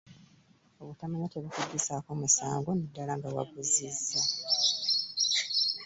Obutamanya tebukuggyisaako musango na ddala nga waguzzizza.